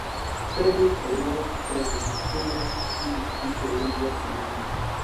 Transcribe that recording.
Perez aliwahi kusema hakuna kitu kisichouzwa duniani